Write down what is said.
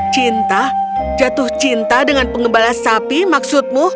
cinta jatuh cinta dengan pengembala sapi maksudmu